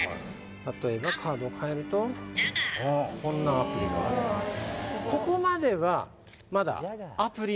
例えばカードをかえるとジャガーこんなアプリがあります